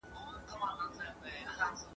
په هغه ورځ د قیامت په ننداره سي !.